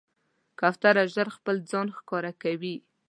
کوتره ژر خپل ځان ښکاره کوي.